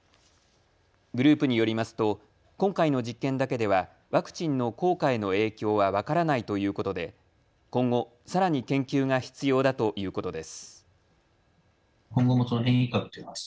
グループによりますと今回の実験だけではワクチンの効果への影響は分からないということで今後、さらに研究が必要だということです。